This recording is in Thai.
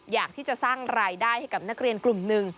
อยากที่จะสร้างรายได้ให้กับนักเรียนกลุ่มหนึ่ง